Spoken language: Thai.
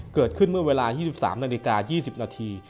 เกิดขึ้นเมื่อเวลา๒๓นาฬิกา๒๐นาที